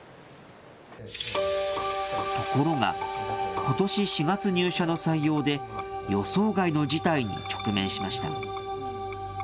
ところが、ことし４月入社の採用で、予想外の事態に直面しました。